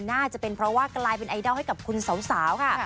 น่าจะเป็นเพราะว่ากลายเป็นไอดอลให้กับคุณสาวค่ะ